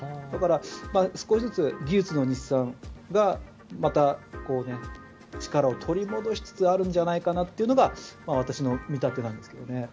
だから少しずつ技術の日産がまた力を取り戻しつつあるんじゃないかなというのが私の見立てなんですけどね。